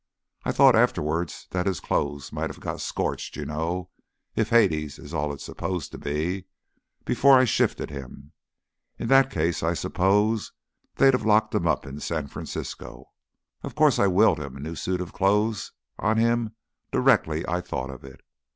I thought afterwards that his clothes might have got scorched, you know if Hades is all it's supposed to be before I shifted him. In that case I suppose they'd have locked him up in San Francisco. Of course I willed him a new suit of clothes on him directly I thought of it.